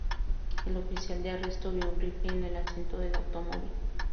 El oficial de arresto vio un rifle en el asiento del automóvil.